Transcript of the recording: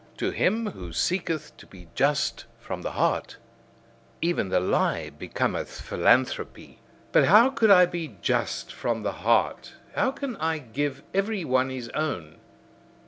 To him who seeketh to be just from the heart, even the lie becometh philanthropy. But how could I be just from the heart! How can I give every one his own!